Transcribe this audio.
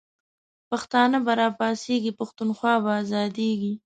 پښتانه به راپاڅیږی، پښتونخوا به آزادیږی